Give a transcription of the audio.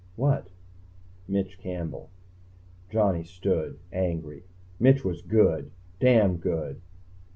"What?" "Mitch Campbell." Johnny stood, angry. "Mitch was good. Damn good."